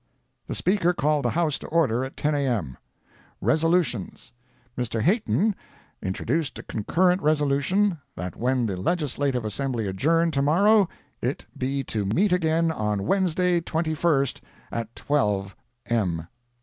The Speaker called the House to order at 10 A.M. RESOLUTIONS Mr. Heaton introduced a concurrent resolution, that when the Legislative Assembly adjourn to morrow, it be to meet again on Wednesday, 21st, at 12 M.